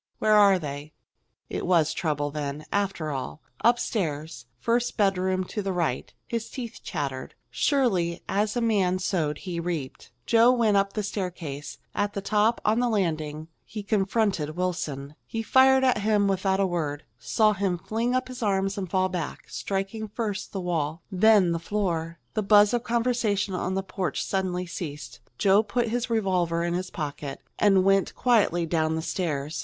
Where are they?" It was trouble then, after all! "Upstairs first bedroom to the right." His teeth chattered. Surely, as a man sowed he reaped. Joe went up the staircase. At the top, on the landing, he confronted Wilson. He fired at him without a word saw him fling up his arms and fall back, striking first the wall, then the floor. The buzz of conversation on the porch suddenly ceased. Joe put his revolver in his pocket and went quietly down the stairs.